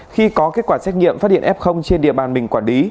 khi có kết quả xét nghiệm phát hiện f trên địa bàn mình quản lý